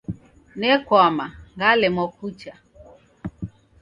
Nakwama, ngalemwa kucha.